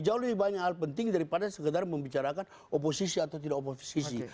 jauh lebih banyak hal penting daripada sekedar membicarakan oposisi atau tidak oposisi